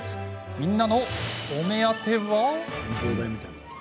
みんなのお目当ては？